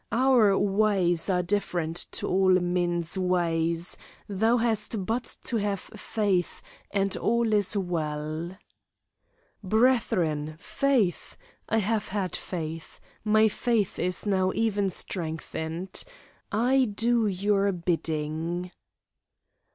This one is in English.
Our ways are different to all men's ways; thou hast but to have faith, and all is well." "Brethren, faith! I have had faith; my faith is now even strengthened. I do your bidding."